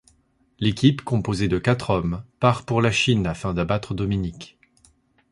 L'équipe composée de quatre hommes part pour la Chine afin d'abattre Dominique.